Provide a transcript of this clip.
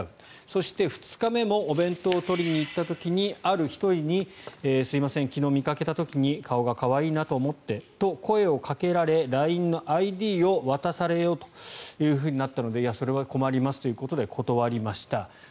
そして、２日目もお弁当を取りに行った時にある１人にすみません、昨日見かけた時に顔が可愛いなと思ってと声をかけられＬＩＮＥのＩＤを渡されそうになったのでいや、それは困りますということで断りました。